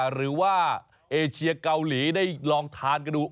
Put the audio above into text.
หรือว่าเอเชียเกาหลีได้ลองทานกันดู